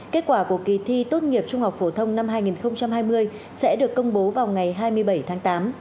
kết quả của kỳ thi tốt nghiệp trung học phổ thông năm hai nghìn hai mươi sẽ được công bố vào ngày hai mươi bảy tháng tám